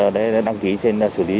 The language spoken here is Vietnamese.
để đăng ký trên xử lý